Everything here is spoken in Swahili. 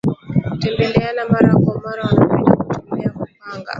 hutembeleana mara kwa mara Wanapenda kutembelea kupanga